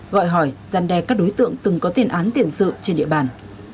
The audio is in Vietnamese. gọi hỏi gian đe các đối tượng từng có tiền án tiền sự trên địa bàn